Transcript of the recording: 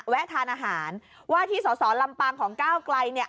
ทานอาหารว่าที่สอสอลำปางของก้าวไกลเนี่ย